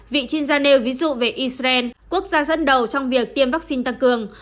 vị chuyên gia nêu ví dụ về israel quốc gia dẫn đầu trong việc tiêm vaccine tăng cường